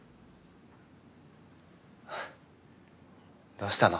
どうしたの？